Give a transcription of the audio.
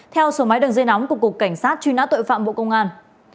theo số máy đường dây nóng của cục cảnh sát truy nã tội phạm bộ công an